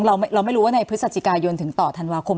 เราไม่รู้ว่าในพฤศจิกายนถึงต่อธันวาคม